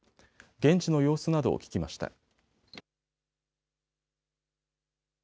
現地の様子などを聞きました。